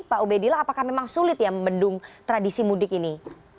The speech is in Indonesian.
pak ubedillah apakah memang sulit ya membendung tradisi mudik ini